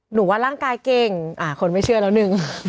ว่าร่างกายเก่งคนไม่เชื่อแล้วหนึ่ง